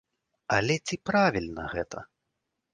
Але ці правільна гэта?